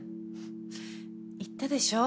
言ったでしょ。